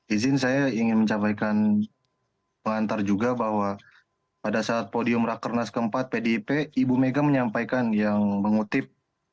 izin saya ingin mencapaikan pengantar juga bahwa pada saat podium rakernas keempat pdip ibu mega menyampaikan yang mengutip